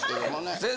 先生